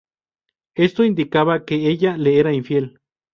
Esto indicaba que ella le era infiel.